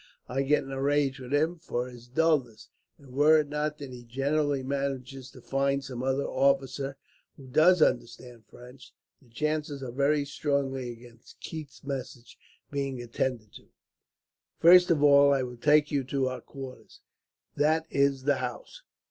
I get in a rage with him, for his dulness; and were it not that he generally manages to find some other officer, who does understand French, the chances are very strongly against Keith's message being attended to. "First of all, I will take you to our quarters. That is the house."